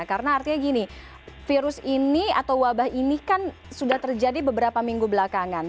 karena artinya gini virus ini atau wabah ini kan sudah terjadi beberapa minggu belakangan